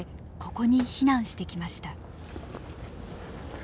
ここに避難してきました。